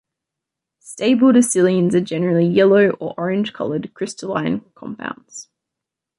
Stable disilenes are generally yellow- or orange-colored crystalline compounds.